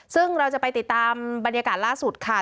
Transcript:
ซึ่งเราจะไปติดตามบรรยากาศล่าสุดค่ะ